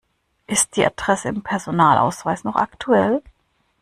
Ist die Adresse im Personalausweis noch aktuell?